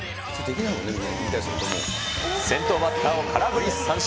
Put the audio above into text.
先頭バッターを空振り三振。